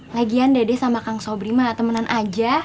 lagian dede sama kang sobri temenan aja